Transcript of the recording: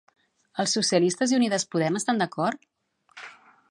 Els socialistes i Unides Podem estan d'acord?